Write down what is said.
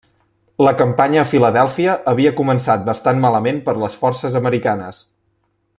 La campanya a Filadèlfia havia començat bastant malament per les forces americanes.